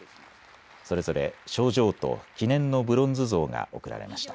それぞれ賞状と記念のブロンズ像が贈られました。